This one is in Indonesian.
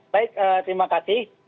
baik terima kasih